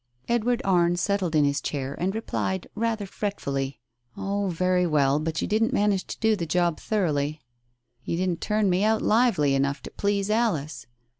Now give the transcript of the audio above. Edward Arne settled in his chair and replied, rather fretfully— "All very well, but you didn't manage to do the job thoroughly. You didn't turn me out lively enough to please Alice.